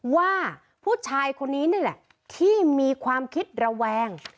ว่าผู้ชายคนนี้นี่แหละที่มีความคิดระแวง